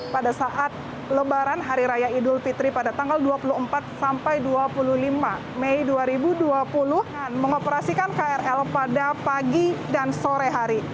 pada saat lebaran hari raya idul fitri pada tanggal dua puluh empat sampai dua puluh lima mei dua ribu dua puluh mengoperasikan krl pada pagi dan sore hari